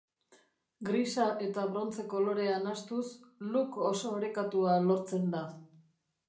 Grisa eta brontze kolorea nahastuz look oso orekatua lortzen da.